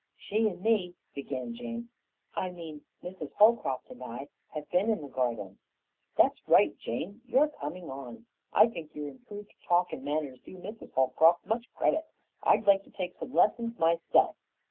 "She and me," began Jane, "I mean Mrs. Holcroft and I, have been in the garden." "That's right, Jane, You're coming on. I think your improved talk and manners do Mrs. Holcroft much credit. I'd like to take some lessons myself."